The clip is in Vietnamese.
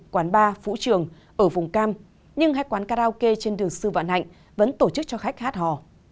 quán bar vũ trường ở vùng cam nhưng hai quán karaoke trên đường sư vạn hạnh vẫn tổ chức cho khách hát hò